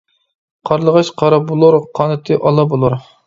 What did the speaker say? قارلىغاچ قارا بولۇر، قانىتى ئالا بولۇر.